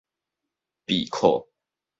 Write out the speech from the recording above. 備課